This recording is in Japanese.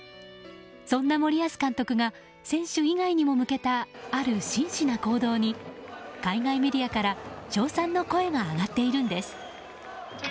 そんな森保監督が選手以外にも向けたある真摯な行動に海外メディアから称賛の声が上がっているんです。